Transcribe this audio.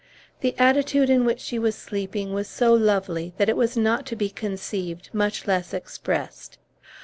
The attitude in which she was sleeping was so lovely that it is not to be conceived, much less expressed.